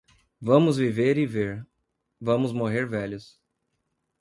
Vamos viver e ver, vamos morrer velhos.